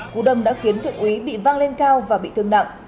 cú đâm đã khiến thượng úy bị vang lên cao và bị thương nặng